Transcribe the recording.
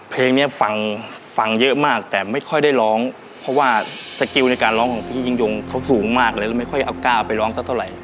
เพลงนี้ฟังฟังเยอะมากแต่ไม่ค่อยได้ร้องเพราะว่าสกิลในการร้องของพี่ยิ่งยงเขาสูงมากเลยแล้วไม่ค่อยเอาก้าวไปร้องสักเท่าไหร่